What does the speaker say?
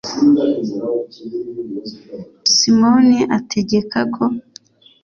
simoni ategeka ko